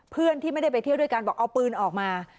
เพื่อนที่ไม่ได้ไปเที่ยวด้วยกันบอกเอาปืนออกมา